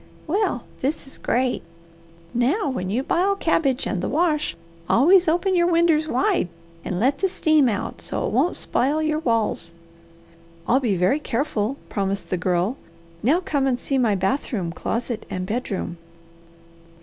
Well this is great! Now when you bile cabbage and the wash, always open your winders wide and let the steam out, so it won't spile your walls." "I'll be very careful," promised the Girl. "Now come see my bathroom, closet and bedroom."